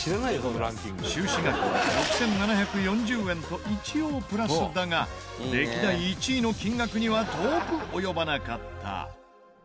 収支額は６７４０円と一応プラスだが歴代１位の金額には遠く及ばなかった。